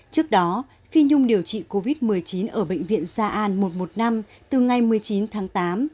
trước đó phi nhung điều trị covid một mươi chín ở bệnh viện gia an một trăm một mươi năm từ ngày một mươi chín tháng tám